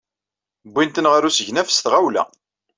Wwin-ten ɣer usegnaf s tɣawla.